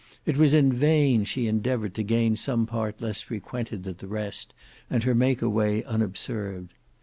It was in vain she endeavoured to gain some part less frequented than the rest, and to make her way unobserved.